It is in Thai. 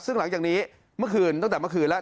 ซึ่งหลังจากนี้เมื่อคืนตั้งแต่เมื่อคืนแล้ว